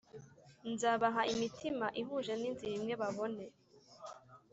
Nzabaha imitima ihuje n inzira imwe babone